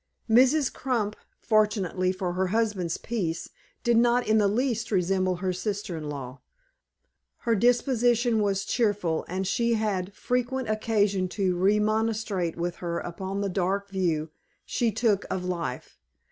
Mrs. Crump, fortunately for her husband's peace, did not in the least resemble her sister in law. Her disposition was cheerful, and she had frequent occasion to remonstrate with her upon the dark view she took of life.